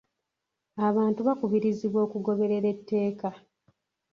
Abantu bakubirizibwa okugoberera etteeka.